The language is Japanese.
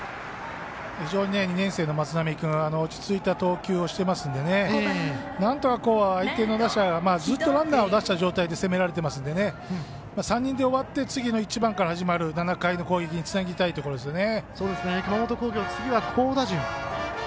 非常に２年生の松波君落ち着いた投球してますのでなんとか、相手の打者ずっとランナーを出した状態で攻められてますので３人で終わって次の１番から始まる７回の攻撃に熊本工業、次は好打順。